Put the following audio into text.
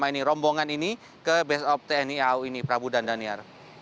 jadi ini rombongan ini ke base of tni au ini prabu dan daniar